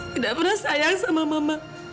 tidak pernah sayang sama mama